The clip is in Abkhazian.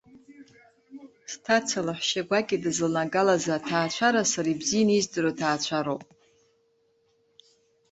Сҭаца лаҳәшьа гәакьа дызланагалаз аҭаацәара сара ибзианы издыруа ҭаацәароуп.